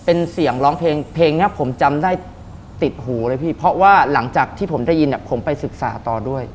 เป็นเสียงร้องเพลงเพลงนี้ผมจำได้ติดหูเลยพี่เพราะว่าหลังจากที่ผมได้ยินเนี่ยผมไปศึกษาต่อด้วย